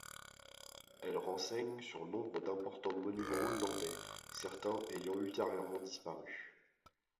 Elles renseignent sur nombre d'importants monuments hollandais, certains ayant ultérieurement disparu.